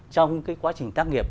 trong cái quá trình tác nghiệp